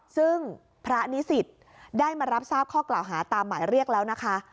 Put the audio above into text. ซึ่งพระนิสิตได้มารับทราบข้อกล่าวหาตามหมายเรียกแล้วนะคะ